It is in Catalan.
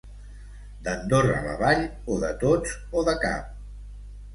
D'Andorra la Vall, o de tots o de cap.